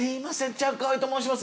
チャンカワイと申します。